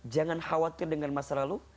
jangan khawatir dengan masa lalu